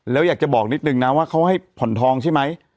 แล้วอยากจะบอกนิดนึงนะว่าเขาให้ผ่อนทองใช่ไหม